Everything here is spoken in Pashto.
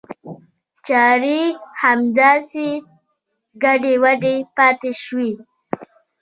چاري همداسې ګډې وډې پاته شوې.